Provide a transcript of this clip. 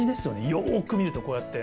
よく見るとこうやって。